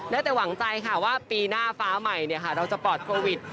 ได้แต่หวังใจค่ะว่าปีหน้าฟ้าใหม่เราจะปลอดโควิด